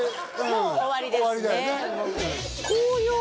もう終わりですね